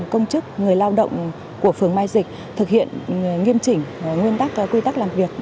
công chức người lao động của phường mai dịch thực hiện nghiêm chỉnh nguyên tắc quy tắc làm việc